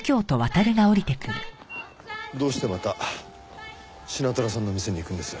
どうしてまたシナトラさんの店に行くんです？